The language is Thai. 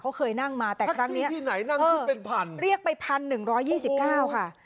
เขาเคยนั่งมาแต่ครั้งนี้ที่ไหนนั่งขึ้นเป็นพันเรียกไปพันหนึ่งร้อยยี่สิบเก้าค่ะ